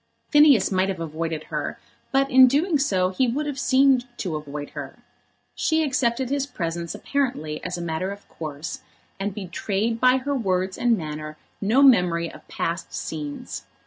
Phineas might have avoided her, but in doing so he would have seemed to avoid her. She accepted his presence apparently as a matter of course, and betrayed by her words and manner no memory of past scenes.